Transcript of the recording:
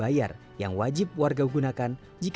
ada yang putih